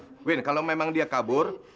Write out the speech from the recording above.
mungkin kalau memang dia kabur